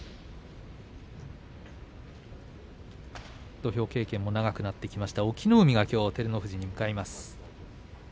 土俵経験も長くなってきた隠岐の海が、きょう照ノ富士に向かいます。